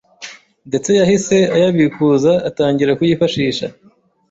ndetse yahise ayabikuza atangira kuyifashisha